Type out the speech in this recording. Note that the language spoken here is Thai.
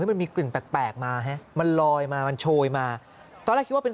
มันมีกลิ่นแปลกมาฮะมันลอยมามันโชยมาตอนแรกคิดว่าเป็น